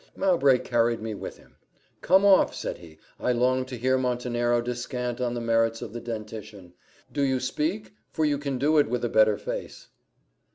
Mowbray carried me with him. "Come off," said he; "I long to hear Montenero descant on the merits of the dentition. Do you speak, for you can do it with a better face."